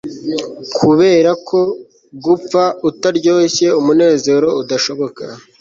kuberako gupfa utaryoshye umunezero udashoboka